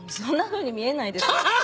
そんなふうに見えないですよ。